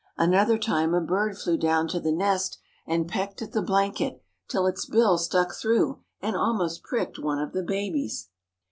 Another time a bird flew down to the nest and pecked at the blanket till its bill stuck through and almost pricked one of the babies.